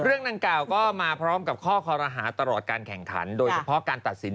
เรื่องดังกล่าวก็มาพร้อมกับข้อคอรหาตลอดการแข่งขันโดยเฉพาะการตัดสิน